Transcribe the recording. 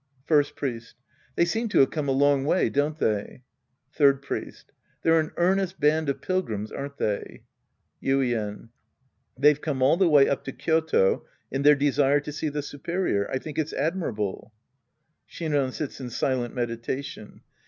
First Priest. They seem to have come a long way, don't they ? Third Priest. They're an earnest band of pilgiims, aren't they ? Yuien. They've come all the way up to Kyoto in their desire to see the superior. I think it's admi rable. (Shinran sits in silent meditation.